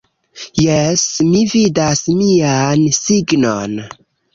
Jes, mi vidas mian signon